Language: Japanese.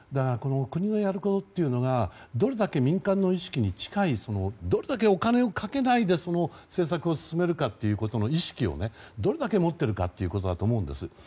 国がやることっていうのがどれだけ民間の意識に近いどれだけお金をかけないで政策を進めるかという意識をどれだけ持っているかだと思うんです。